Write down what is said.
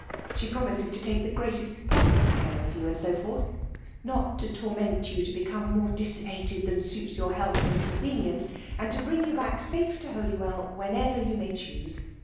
She pro mises to take the greatest possible care of you, and so forth; not to torment you to become more dissipated than snits your health and convenience; and to bring you back safe to 4t U WEUALE DOM IKATXOM. .211 Jlolywell vfaenever you maj choose.